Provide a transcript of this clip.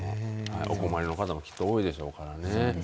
お困りの方もきっと多いでしょうからね。